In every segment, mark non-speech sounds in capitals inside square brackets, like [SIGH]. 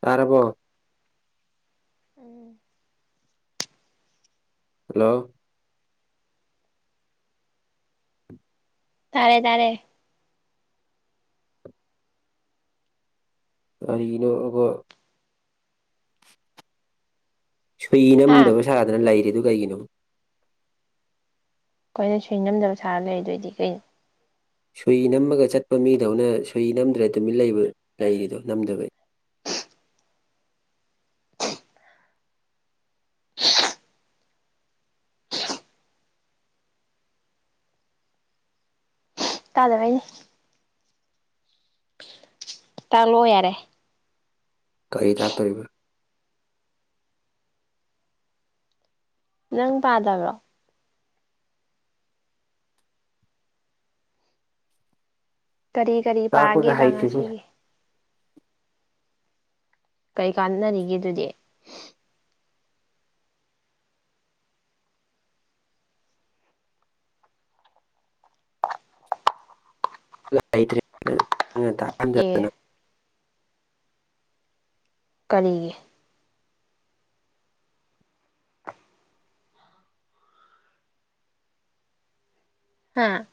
ꯇꯔꯕ ꯎꯝ ꯍꯜꯂꯣ ꯇꯥꯔꯦ ꯇꯥꯔꯦ ꯀꯔꯤꯅꯣ ꯑꯗꯨꯒ ꯁꯨꯏ ꯍꯥ ꯅꯝꯗꯕ ꯁꯥꯗꯅ ꯂꯩꯔꯤꯗꯨ ꯀꯩꯒꯤꯅꯣ ꯑꯩꯈꯣꯏꯅ ꯁꯨꯏ ꯅꯝꯗꯕ ꯁꯥꯔ ꯂꯩꯗꯣꯏꯗꯤ ꯀꯩꯅꯣ ꯁꯨꯏ ꯅꯝꯃꯒ ꯆꯠꯄ ꯃꯤꯗꯧꯅ ꯁꯨꯏ ꯅꯝꯗ꯭ꯔꯦ ꯇꯨꯃꯤꯠ ꯂꯩꯕ ꯂꯩꯔꯤꯗꯣ ꯅꯝꯗꯕꯩ [INAUDIBLE] ꯇꯥꯗꯕꯅꯤ ꯇꯥꯛ ꯂꯣ ꯌꯥꯔꯦ ꯀꯔꯤ ꯇꯥꯛꯇꯣꯔꯤꯕ ꯅꯪ ꯄꯥꯗꯕ꯭ꯔꯣ ꯀꯔꯤ ꯀꯔꯤ ꯇꯥꯛꯄꯒ ꯄꯥꯒꯦꯕ ꯍꯩꯇ꯭ꯔꯤꯁꯦ ꯉꯁꯤꯒꯤ ꯀꯩ ꯀꯥꯟꯅꯔꯤꯒꯦ ꯑꯗꯨꯗꯤ ꯂꯩꯇ꯭ꯔꯦ ꯑꯦ ꯇꯝꯖꯗꯅ ꯀꯔꯤꯒꯤ ꯍꯥ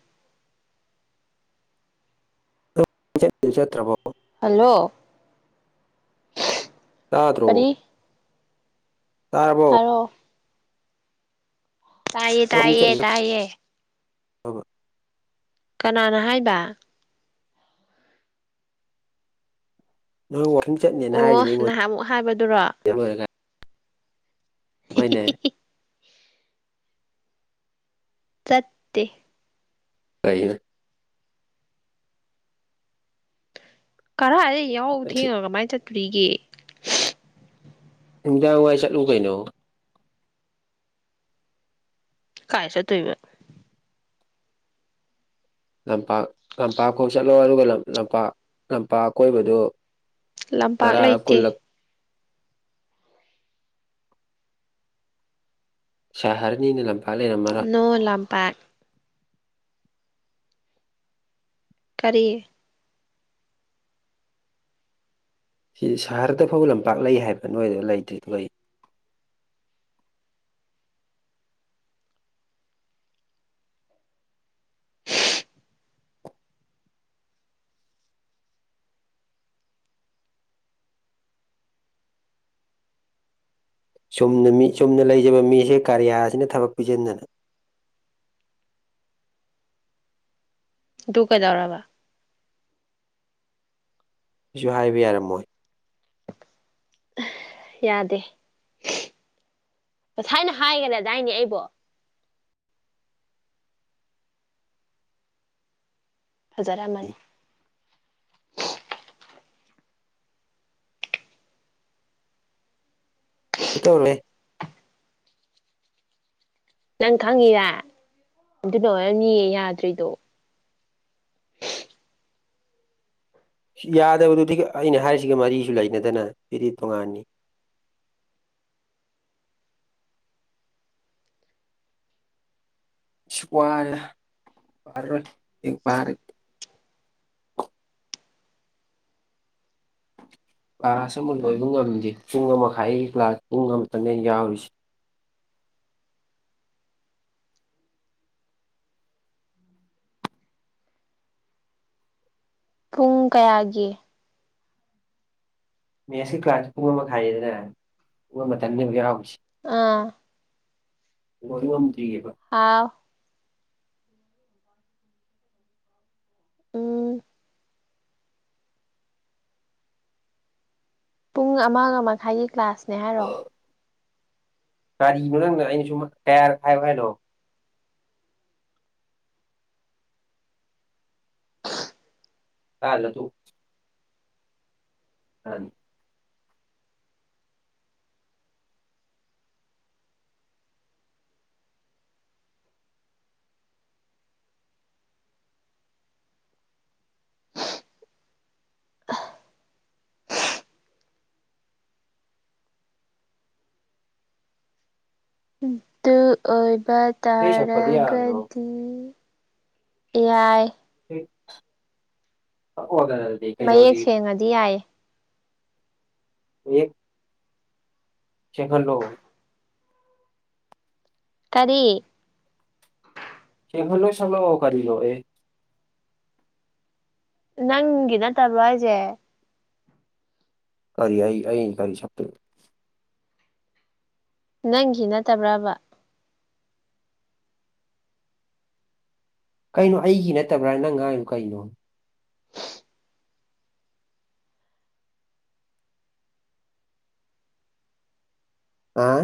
ꯆꯠꯇ꯭ꯔꯕꯣ ꯍꯜꯂꯣ ꯇꯥꯗ꯭ꯔꯣ ꯀꯔꯤ ꯇꯥꯔꯕꯣ ꯍꯥꯏꯔꯛꯑꯣ ꯇꯥꯏꯌꯦ ꯅꯪ ꯋꯥꯀꯤꯡ ꯇꯥꯏꯌꯦ ꯆꯠꯂꯤꯗꯨ ꯇꯥꯏꯌꯦ ꯆꯠꯇ꯭ꯔꯕꯣ ꯀꯅꯥꯅ ꯍꯥꯏꯕ ꯅꯣꯏ ꯋꯥꯀꯤꯛ ꯆꯠꯅꯦꯅ ꯑꯣ ꯍꯥꯏꯗꯨꯗꯤ ꯅꯍꯥꯟꯃꯨꯛ ꯍꯥꯏꯕꯗꯨꯔꯣ ꯑꯩꯉꯣꯟꯗ ꯍꯣꯏꯅꯦ ꯆꯠꯇꯦ ꯀꯩꯅꯦ ꯀꯔꯥꯏꯗ ꯌꯍꯧ ꯊꯦꯡꯉ ꯀꯃꯥꯏꯅ ꯆꯠꯇꯣꯔꯤꯒꯦ ꯅꯨꯡꯗꯥꯡ ꯋꯥꯏ ꯆꯠꯂꯨ ꯀꯩꯅꯣ ꯀꯥꯏ ꯆꯠꯇꯣꯏꯕ ꯂꯝꯄꯥꯛ ꯂꯝꯄꯥꯛꯈꯣꯛ ꯆꯠꯂꯣ ꯑꯗꯨꯒ ꯂꯝ ꯂꯝꯄꯥꯛ ꯂꯝꯄꯥꯛ ꯀꯣꯏꯕꯗꯨ ꯂꯝꯄꯥꯛ ꯂꯩꯇꯦ ꯁꯍꯔꯅꯤꯅ ꯂꯝꯄꯥꯛ ꯂꯩꯔꯝꯃꯔꯣꯏ ꯅꯣ ꯂꯝꯄꯥꯛ ꯀꯔꯤ ꯁꯤ ꯁꯍꯔꯗ ꯐꯥꯎ ꯂꯝꯄꯥꯛ ꯂꯩ ꯍꯥꯏꯕ ꯅꯣꯏꯗ ꯂꯩꯇ꯭ꯔꯤ ꯀꯔꯤꯒꯤꯅꫭ ꯆꯨꯝꯅ ꯃꯤ ꯆꯨꯝꯅ ꯂꯩꯖꯕ ꯃꯤꯁꯦ ꯀꯔꯤꯌꯥꯁꯤꯅ ꯊꯕꯛ ꯄꯤꯁꯤꯟꯗꯅ ꯑꯗꯨ ꯀꯩꯗꯧꯔꯕ ꯁꯤꯁꯨ ꯍꯥꯏꯕ ꯌꯥꯔꯝꯃꯣꯏ ꯌꯥꯗꯦ ꯉꯁꯥꯏꯅ ꯍꯥꯏꯒꯅꯦꯗꯥꯏꯅꯦ ꯑꯩꯕꯨ ꯐꯖꯔꯝꯃꯅꯤ ꯇꯧꯔꫭꯏ ꯍꯦ ꯅꯪ ꯈꯪꯉꯤꯔ ꯑꯗꯨꯅ ꯑꯣꯏꯔꯝꯅꯤꯌꯦ ꯌꯥꯗ꯭ꯔꯤꯗꯣ ꯌꯥꯗꯕꯗꯨꯗꯤ ꯑꯩꯅ ꯍꯥꯏꯔꯤꯁꯤꯒ ꯃꯔꯤꯁꯨ ꯂꯩꯅꯗꯅ ꯁꯤꯗꯤ ꯇꯣꯉꯥꯟꯅꯤ ꯁꯤ ꯋꯥꯔꯦꯗꯥ ꯄꯔꯥꯔꫭꯏ ꯂꯥꯏꯔꯤꯛ ꯄꯔꯥꯗꯤ ꯀ꯭ꯂꯥꯁ ꯑꯃ ꯂꯣꯏꯕ ꯉꯝꯗꯦ ꯄꯨꯡ ꯑꯃꯈꯥꯏ ꯀ꯭ꯂꯥꯁ ꯄꯨꯡ ꯑꯃꯇꯪꯅꯦ ꯌꯥꯎꯔꯤꯁꯦ ꯄꯨꯡ ꯀꯌꯥꯒꯤ ꯃꯦꯠꯁꯀꯤ ꯀ꯭ꯂꯥꯁ ꯄꯨꯡ ꯑꯃ ꯃꯈꯥꯏꯅꯤꯗꯅ ꯄꯨꯡ ꯑꯃ ꯇꯪꯅꯤꯕ ꯌꯥꯎꯔꯤꯁꯤ ꯑꯥ ꯑꯣꯏ ꯉꯝꯗ꯭ꯔꯤ ꯑꯦꯕ ꯍꯥꯎ ꯎꯝ ꯄꯨꯡ ꯑꯃꯒ ꯃꯈꯥꯏꯒꯤ ꯀ꯭ꯂꯥꯁꯅꯦ ꯍꯥꯏꯔꯣ ꯀꯔꯤ ꯅꫭ ꯅꯪꯅ ꯑꯩꯅ ꯁꯨꯝ ꯀꯌꯥꯔꯛ ꯍꯥꯏꯑꫭ ꯍꯥꯏꯅꫭ ꯀꯥꯗꯔꯥ ꯇꫭꯡ ꯎ [UNINTELLIGIBLE] ꯑꯗꯨ ꯑꯣꯏꯕ ꯏꯁꯩ ꯁꯛꯄꯗꯤ ꯌꯥꯗ꯭ꯔꯣ ꯇꯔꯥꯒꯗꯤ ꯑꯦꯌꯥꯏ [UNINTELLIGIBLE] ꯊꯛꯑꫭꯗꯅ ꯑꯗꯨꯗꯤ ꯃꯌꯦꯛ ꯁꯦꯡꯉꯗꯤ ꯌꯥꯏꯌꯦ ꯑꯦ ꯁꯦꯡꯍꯥꯟꯂꫭ ꯀꯔꯤ ꯁꯦꯡꯍꯥꯟ [UNINTELLIGIBLE] ꯁꯥꯡꯂꯥꯛꯑꫭ ꯀꯔꯤꯅꫭ ꯑꯦ ꯅꯪꯒꯤ ꯅꯠꯇꯕꯔꯣ ꯍꯥꯏꯖꯦ ꯀꯔꯤ ꯑꯩ ꯑꯩꯒꯤ ꯀꯔꯤ ꯁꯥꯡꯇꯨꯏꯕ ꯅꯪꯒꯤ ꯅꯠꯇꯕ꯭ꯔꯕ ꯀꯩꯅꯣ ꯑꯩꯒꯤ ꯅꯠꯇꯕ꯭ꯔꯥ ꯅꯪ ꯉꯥꯡꯏꯗꯨ ꯀꯩꯅꯣ ꯑꯥ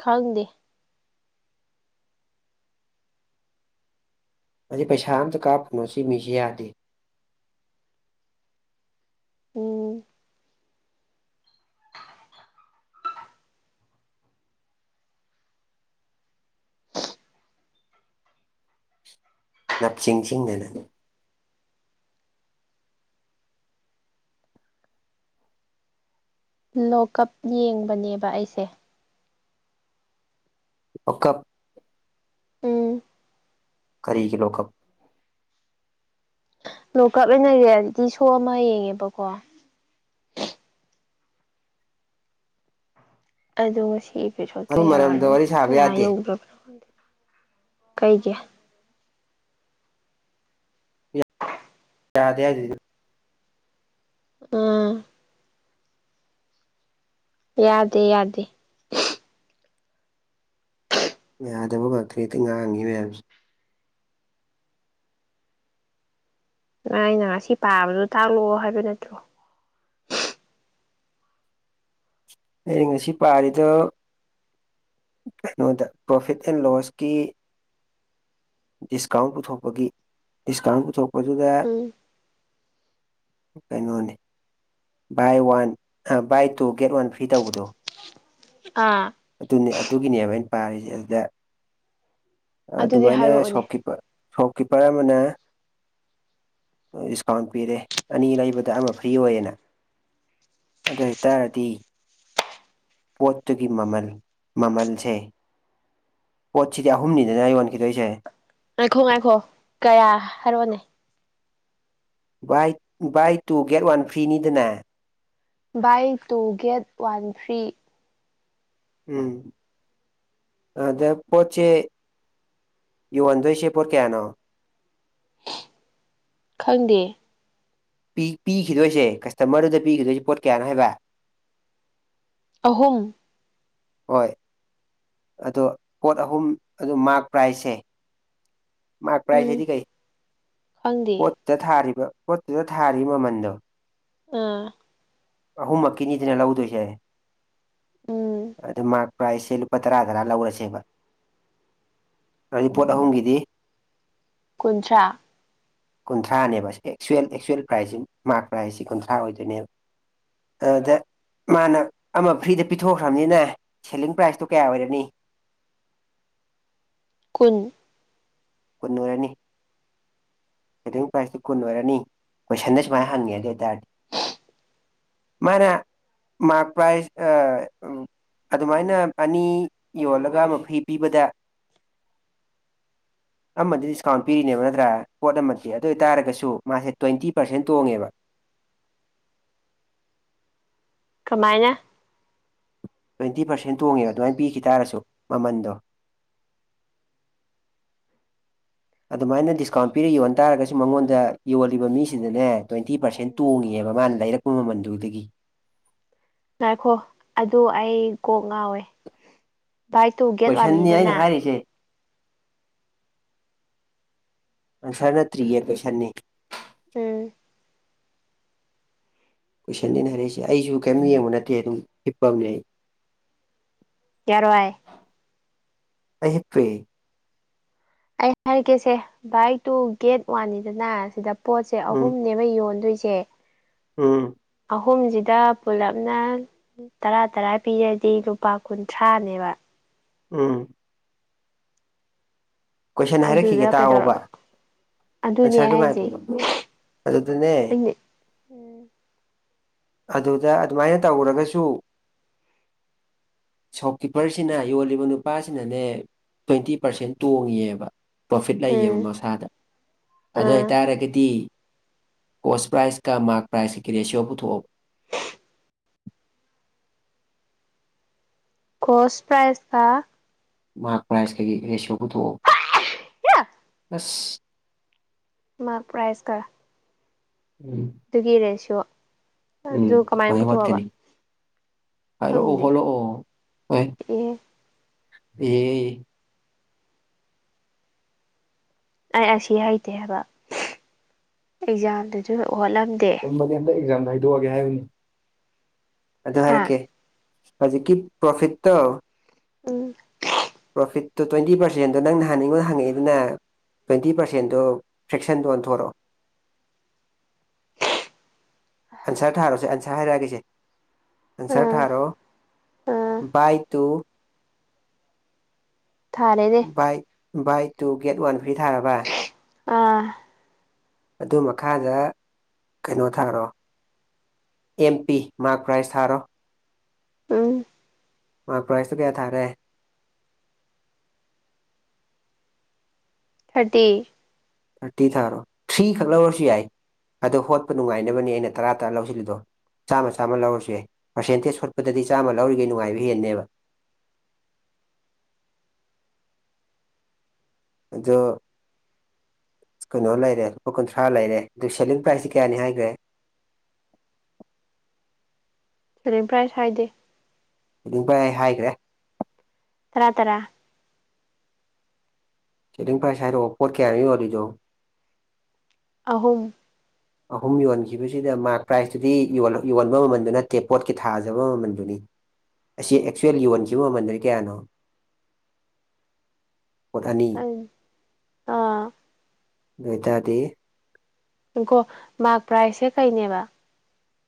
ꯈꯪꯗꯦ ꯑꯁꯤ ꯄꯩꯁꯥ ꯑꯃꯥꯇ ꯀꯥꯞꯄꯅꯣ ꯁꯤ ꯃꯤꯁꯤ ꯌꯥꯗꯦ ꯎꯝ ꯅꯞꯁꯤꯡꯁꯤꯡꯗꯅ ꯂꯣꯛ-ꯀꯞ ꯌꯦꯡꯕꯅꯦꯕ ꯑꯩꯁꯦ ꯂꯣꯛ-ꯀꯞ ꯎꯝ ꯀꯔꯤꯒꯤ ꯂꯣꯛ-ꯀꯞ ꯂꯣꯛ-ꯀꯞ ꯍꯥꯏꯅ ꯔꯤꯌꯦꯂꯤꯇꯤ ꯁꯣ ꯑꯃ ꯌꯦꯡꯉꯦꯕꯀꯣ ꯑꯗꯣ ꯉꯁꯤ ꯏꯄꯤꯁꯣꯠ ꯑꯗꯨ ꯃꯔꯝꯗ ꯀꯌꯥꯅꯣ ꯋꯥꯔꯤ ꯁꯥꯕ ꯀꯌꯥ ꯌꯥꯗꯦ ꯌꯧꯈ꯭ꯔꯕꯅꯣ ꯈꯪꯗꯦ ꯀꯩꯒꯤ ꯌꯥꯗꯦ ꯍꯥꯏꯗꯨꯗꯤ ꯎꯝ ꯌꯥꯗꯦ ꯌꯥꯗꯦ ꯌꯥꯗꯕꯒꯥ [UNINTELLIGIBLE] ꯉꯥꯡꯉꯤ ꯃꯌꯥꯝꯁꯦ ꯑꯩꯅ ꯉꯁꯤ ꯄꯥꯕꯗꯣ ꯇꯥꯛꯂꯛꯑꯣ ꯍꯥꯏꯕ ꯅꯠꯇ꯭ꯔꯣ ꯑꯩꯅ ꯉꯁꯤ ꯄꯥꯔꯤꯗ ꯀꯩꯅꯣꯗ ꯄ꯭ꯔꯣꯐꯤꯠ ꯑꯦꯟ ꯂꯣꯁꯀꯤ ꯗꯤꯁꯀꯥꯎꯟ ꯄꯨꯊꯣꯛꯄꯒꯤ ꯗꯤꯁꯀꯥꯎꯟ ꯄꯨꯊꯣꯛꯄꯗꯨꯗ ꯎꯝ ꯀꯩꯅꯣꯅꯤ buy one buy two get one free ꯇꯧꯕꯗꯣ ꯑꯥ ꯑꯗꯨꯅꯦ ꯑꯗꯨꯒꯤꯅꯦꯕ ꯑꯩꯅ ꯄꯥꯔꯤꯁꯦ ꯑꯗꯨꯗ ꯑꯗꯨꯗꯤ ꯑꯗꯨꯃꯥꯏꯅ ꯍꯥꯏꯔꯛꯑꯣꯅꯦ ꯁꯣꯞꯀꯤꯤꯞꯄꯔ ꯁꯣꯞꯀꯤꯞꯄꯔ ꯑꯃꯅꯦ ꯗꯤꯁꯀꯥꯎꯟ ꯄꯤꯔꯦ ꯑꯅꯤ ꯂꯩꯕꯗ ꯑꯃ ꯐ꯭ꯔꯤ ꯑꯣꯏꯌꯦꯅ ꯑꯗꯣꯏꯇꯥꯔꯗꯤ ꯄꯣꯠꯇꯨꯒꯤ ꯃꯃꯜ ꯃꯃꯜꯁꯦ ꯄꯣꯠꯁꯤꯗꯤ ꯑꯍꯨꯝꯅꯤꯗꯅ ꯌꯣꯟꯈꯤꯗꯣꯏꯁꯦ ꯉꯥꯏꯈꯣ ꯉꯥꯏꯈꯣ ꯀꯌꯥ ꯍꯥꯏꯔꯣꯅꯦ buy buy two get one ꯐ꯭ꯔꯤꯅꯤꯗꯅꯦ buy two get one free ꯎꯝ ꯑꯗ ꯄꯣꯠꯆꯦ ꯌꯍꯟꯗꯣꯏꯁꯦ ꯄꯣꯠ ꯀꯌꯥꯅꯣ ꯈꯪꯗꯦ ꯄꯤꯈꯤꯗꯣꯏꯁꯦ ꯀꯁꯇꯃꯔꯗꯨꯗ ꯄꯤꯈꯤꯗꯣꯏꯁꯦ ꯄꯣꯠ ꯀꯌꯥꯅꯣ ꯍꯥꯏꯕ ꯑꯍꯨꯝ ꯍꯣꯏ ꯑꯗꯣ ꯄꯣꯠ ꯑꯍꯨꯝ ꯑꯗꯨ ꯃꯥꯔꯛ ꯄ꯭ꯔꯥꯏꯖꯁꯦ ꯃꯥꯔ ꯄ꯭ꯔꯥꯏꯁ ꯎꯝ ꯍꯥꯏꯗꯤ ꯀꯩ ꯈꯪꯗꯦ ꯄꯣꯠꯇ ꯊꯥꯔꯤꯕ ꯄꯣꯠꯇꯨꯗ ꯊꯥꯔꯤ ꯃꯃꯟꯗꯣ ꯑꯥ ꯑꯍꯨꯝ ꯃꯛ ꯀꯤꯅꯤꯗꯅ ꯂꯧꯗꯣꯏꯁꯦ ꯎꯝ ꯑꯗꯨ ꯃꯥ ꯄ꯭ꯔꯥꯏꯁꯁꯦ ꯂꯨꯄꯥ ꯇꯔꯥ ꯇꯔꯥ ꯂꯧꯔꯁꯦꯕ ꯑꯩ ꯄꯣꯠ ꯑꯍꯨꯝꯒꯤꯗꯤ ꯀꯨꯟꯊ꯭ꯔꯥ ꯀꯨꯟꯊ꯭ꯔꯥꯅꯦꯕ ꯑꯦꯛꯆꯨꯋꯦꯜ ꯑꯦꯛꯆꯨꯋꯦꯜ ꯄ꯭ꯔꯥꯏꯖꯁꯤ ꯃꯥꯔꯛ ꯄ꯭ꯔꯥꯏꯖꯁꯤ ꯀꯨꯟꯊ꯭ꯔꯥ ꯑꯣꯏꯗꯣꯏꯅꯦꯕ ꯑꯗ ꯃꯥꯅ ꯑꯃ ꯐ꯭ꯔꯤꯗ ꯄꯤꯊꯣꯛꯈ꯭ꯔꯕꯅꯤꯅ ꯁꯦꯂꯤꯡ ꯄ꯭ꯔꯥꯏꯖꯇꯣ ꯀꯌꯥ ꯑꯣꯏꯔꯅꯤ ꯀꯨꯟ ꯀꯨꯟ ꯑꯣꯏꯔꯅꯤ ꯄꯥꯏꯁꯇꯨ ꯀꯨꯟ ꯑꯣꯏꯔꯅꯤ ꯀꯣꯏꯁꯟꯗ ꯁꯨꯥꯏꯅ ꯍꯪꯉꯦ ꯑꯗꯨ ꯑꯣꯏꯇꯥꯔꯗꯤ ꯃꯥꯅ ꯃꯥꯔꯛ ꯄ꯭ꯔꯥꯏꯖ ꯑ ꯑꯝ ꯑꯗꯨꯃꯥꯏꯅ ꯑꯅꯤ ꯌꯣꯜꯂꯒ ꯃꯈꯐꯩ ꯄꯤꯕꯗ ꯑꯃꯗꯤꯗ ꯗꯤꯁꯀꯥꯎꯟ ꯄꯤꯔꯤꯅꯦꯕ ꯅꯠꯇ꯭ꯔꯥ ꯄꯣꯠ ꯑꯃꯗꯤ ꯑꯗꯨ ꯑꯣꯏꯇꯥꯔꯒꯁꯨ ꯃꯥꯁꯦ ꯇ꯭ꯋꯦꯟꯇꯤ ꯄꯥꯔꯁꯦꯟ ꯇꯣꯡꯉꯦꯕ ꯀꯃꯥꯏꯅ ꯇ꯭ꯋꯦꯟꯇꯤ ꯄꯥꯔꯁꯦꯟ ꯇꯣꯡꯉꯦꯕ ꯑꯗꯨꯃꯥꯏꯅ ꯄꯤꯈꯤ ꯇꯔꯁꯨ ꯃꯃꯟꯗꯣ [INAUDIBLE] ꯑꯗꯨꯃꯥꯏꯅ ꯗꯤꯁꯀꯥꯎꯟ ꯄꯤꯔ ꯌꯣꯟꯇꯥꯥꯔꯒꯁꯨ ꯃꯉꯣꯟꯗ ꯌꯣꯜꯂꯤꯕ ꯃꯤꯁꯤꯗꯅꯦ ꯇ꯭ꯋꯦꯟꯇꯤ ꯄꯥꯔꯁꯦꯟ ꯇꯣꯡꯉꯦꯕ ꯃꯥꯅ ꯂꯩꯔꯛꯄ ꯃꯃꯜꯗꯨꯗꯒꯤ ꯉꯥꯏꯈꯣ ꯑꯗꯨ ꯑꯩ ꯀꯣꯛ ꯉꯥꯎꯋꯦ ꯕꯥꯏ ꯇꯨ ꯒꯦꯠ ꯀꯣꯏꯁꯟꯅꯤ ꯑꯩꯅ ꯋꯥꯟꯅꯤꯗꯅꯦ ꯍꯥꯏꯔꯤꯁꯦ ꯄꯁꯥꯅꯠꯇ꯭ꯔꯤꯌꯦ ꯄꯩꯁꯥꯅꯤ ꯎꯝ ꯀꯣꯏꯁꯟꯅꯤꯅ ꯍꯥꯏꯔꯛꯏꯁꯦ ꯑꯩꯁꯨ ꯀꯩꯝ ꯌꯦꯡꯕ ꯅꯠꯇꯦ ꯑꯗꯨꯝ ꯍꯤꯞꯄꯝꯅꯦ ꯑꯩ ꯌꯥꯔꯣꯏ ꯑꯩ ꯍꯤꯞꯄꯦ ꯑꯩ ꯍꯥꯏꯔꯛꯀꯦꯁꯦ ꯕꯥꯏ ꯇꯨ ꯒꯦꯠ ꯋꯥꯟꯅꯤꯗꯅ ꯁꯤꯗ ꯄꯣꯠꯁꯦ ꯎꯝ ꯑꯍꯨꯝ ꯅꯦꯕ ꯌꯣꯟꯗꯣꯏꯁꯦ ꯎꯝ ꯑꯍꯨꯝꯁꯤꯗ ꯄꯨꯂꯞꯅ ꯇꯔꯥ ꯇꯔꯥ ꯄꯤꯔꯗꯤ ꯂꯨꯄꯥ ꯀꯨꯟꯊ꯭ꯔꯥꯅꯦꯕ ꯎꯝ ꯀꯣꯏꯁꯟ ꯑꯗꯨꯗ ꯍꯥꯏꯔꯛꯈꯤꯒꯦ ꯇꯥꯑꯣꯕ ꯀꯩꯗꯧꯔꯕ ꯑꯗꯨꯅꯦ ꯍꯥꯏꯁꯦ [UNINTELLIGIBLE] ꯑꯗꯨꯗꯅꯦ ꯑꯩꯅ ꯑꯗꯨꯗ ꯑꯗꯨꯃꯥꯏꯅ ꯇꯧꯒꯔꯒꯁꯨ [INAUDIBLE] ꯁꯣꯞꯀꯤꯞꯄꯔꯁꯤꯅ ꯌꯣꯜꯂꯤꯕ ꯅꯨꯄꯥꯁꯤꯅꯅꯦ ꯇ꯭ꯋꯦꯟꯇꯤ ꯄꯥꯔꯁꯦꯟ ꯇꯣꯡꯉꯦꯕ ꯄ꯭ꯔꯣꯐꯤꯠ ꯂꯩꯌꯦꯕ ꯎꯝ ꯃꯁꯥꯗ ꯑꯥ ꯑꯗꯣꯏꯇꯥꯔꯒꯗꯤ ꯀꯣꯁ ꯄ꯭ꯔꯥꯏꯖꯀ ꯃꯥꯛ ꯄ꯭ꯔꯥꯏꯁꯀꯒꯤ ꯔꯦꯁꯤꯌꯣ ꯄꯨꯊꯣꯛꯑꯣꯕ ꯀꯣꯁ ꯄ꯭ꯔꯥꯏꯁꯀ ꯃꯥꯔꯛ ꯄ꯭ꯔꯥꯏꯁ ꯀꯥꯒꯤ ꯔꯦꯁꯤꯌꯣ ꯄꯨꯊꯣꯛꯑꯣ ꯑꯁ ꯃꯥꯔꯛ ꯄ꯭ꯔꯥꯏꯁꯀ ꯎꯝ ꯑꯗꯨꯒꯤ ꯔꯦꯁꯤꯌꯣ ꯎꯝ ꯑꯗꯨ ꯀꯃꯥꯏꯅ ꯀꯥꯃꯥꯏ ꯄꯨꯊꯣꯛꯑꯕ ꯍꯣꯠꯀꯅꯤ ꯍꯥꯏꯔꯛꯑꯣ ꯈꯪꯗꯦ ꯍꯂꯣꯛꯑꯣ ꯑꯦ ꯑꯩ ꯑꯁꯤ ꯍꯩꯇꯦ ꯍꯥꯏꯕ ꯑꯦꯛꯖꯥꯝꯗꯖꯨ ꯍꯣꯠꯂꯝꯗꯦ [UNINTELLIGIBLE] ꯑꯦꯛꯖꯥꯝꯗ ꯍꯥꯏꯗꯣꯛꯑꯒꯦ ꯍꯥꯏꯕꯅꯤ ꯑꯗꯨ ꯍꯥ ꯍꯥꯏꯔꯛꯀꯦ ꯍꯧꯖꯤ ꯄ꯭ꯔꯣꯐꯤꯠ ꯎꯝ ꯄꯔꯣꯐꯤꯠ ꯇꯣ ꯇ꯭ꯋꯦꯟꯇꯤ ꯄꯥꯔꯁꯦꯟꯗꯣ ꯅꯪ ꯅꯍꯥꯟ ꯑꯩꯉꯣꯟꯗ ꯍꯪꯉꯛꯑꯦꯗꯅ ꯇ꯭ꯋꯦꯟꯇꯤ ꯄꯔꯁꯦꯟꯗꯣ ꯐ꯭ꯔꯦꯛꯁꯟꯗ ꯑꯣꯟꯊꯣꯔꯛꯑꯣ ꯑꯟꯁꯔ ꯊꯥꯔꯣꯁꯦ ꯑꯟꯁꯥꯔ ꯍꯥꯏꯔꯛꯑꯒꯦꯁꯦ ꯑꯟꯁꯔ ꯑꯥ ꯊꯥꯔꯣ ꯑꯥ ꯕꯥꯥꯏ ꯇꯨ ꯊꯥꯔꯦ buy buy two get one free ꯊꯥꯔꯕ ꯑꯥ ꯑꯗꯨ ꯃꯈꯥꯗ ꯀꯩꯅꯣ ꯊꯥꯔꯣ ꯑꯦꯝ ꯄꯤ ꯃꯥꯛ ꯄ꯭ꯔꯥꯏꯁ ꯊꯥꯔꯣ ꯎꯝ ꯃꯛ ꯄ꯭ꯔꯥꯏꯁꯇꯣ ꯀꯌꯥ ꯊꯥꯔꯦ ꯊꯥꯔꯇꯤ ꯊꯥꯔꯇꯤ ꯊꯥꯔꯣ ꯊ꯭ꯔꯤ ꯈꯛ ꯂꯧꯔꯁꯨ ꯌꯥꯏ ꯑꯗꯣ ꯍꯣꯠꯄ ꯅꯨꯡꯉꯥꯏꯅꯕꯅꯦ ꯑꯩꯅ ꯇꯔꯥ ꯇꯔꯥ ꯂꯧꯁꯤꯜꯂꯤꯗꯣ ꯆꯥꯝꯃ ꯆꯥꯝꯃ ꯂꯧꯔꯁꯨ ꯌꯥꯏ ꯄꯔꯁꯦꯟꯇꯦꯁ ꯍꯣꯠꯄꯗꯗꯤ ꯆꯥꯝꯃ ꯂꯧꯔꯤꯒꯩ ꯅꯨꯡꯉꯥꯏꯕ ꯍꯦꯟꯅꯦꯕ ꯑꯗꯣ ꯀꯩꯅꯣ ꯂꯩꯔꯦ ꯂꯨꯄꯥ ꯀꯨꯟꯊ꯭ꯔꯥ ꯂꯩꯔꯦ ꯑꯗꯨ ꯁꯦꯂꯤꯡ ꯄ꯭ꯔꯥꯏꯖꯁꯦ ꯀꯌꯥꯅꯤ ꯍꯥꯏꯈ꯭ꯔꯦ ꯁꯦꯂꯤꯡ ꯄ꯭ꯔꯥꯏꯁ ꯍꯥꯏꯗꯦ ꯁꯦꯂꯤꯡ ꯄꯔꯥꯏ ꯑꯩ ꯍꯥꯏꯒꯔꯦ ꯇꯔꯥ ꯇꯔꯥ ꯁꯦꯂꯤꯡ ꯄ꯭ꯔꯥꯏꯁ ꯍꯥꯏꯔꯛꯑꯣ ꯄꯣꯠ ꯀꯌꯥꯅꯣ ꯌꯣꯜꯂꯤꯗꯣ ꯑꯍꯨꯝ ꯑꯍꯨꯝ ꯌꯣꯟꯈꯤꯕꯁꯤꯗ ꯃꯥꯔꯛ ꯄ꯭ꯔꯥꯏꯖꯇꯨꯗꯤ ꯌꯣꯟꯕ ꯃꯃꯜꯗꯨ ꯅꯠꯇꯦ ꯄꯣꯠꯀꯤ ꯊꯥꯖꯕ ꯃꯃꯜꯗꯨꯅꯤ ꯑꯁꯤ ꯑꯦꯛꯆꯨꯋꯦꯜ ꯌꯣꯟꯈꯤꯕ ꯃꯃꯜꯗꯨꯗꯤ ꯀꯌꯥꯅꯣ [INAUDIBLE] ꯄꯣꯠ ꯑꯅꯤ ꯑꯥ ꯑꯗꯨ ꯑꯣꯏꯇꯥꯔꯗꯤ ꯈꯣ ꯃꯥꯛ ꯄ꯭ꯔꯥꯏꯁꯁꯦ ꯀꯩꯅꯦꯕ